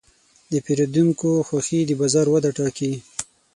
د پیرودونکو خوښي د بازار وده ټاکي.